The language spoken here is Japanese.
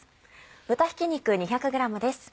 豚ひき肉２００ｇです。